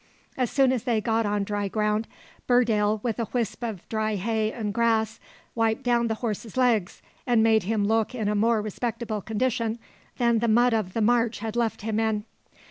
As soon as they got on dry ground, Burdale, with a whisp of dry hay and grass, wiped down the horse's legs, and made him look in a more respectable condition than the mud of the marsh had left him in.